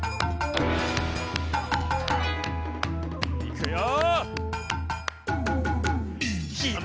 いくよ。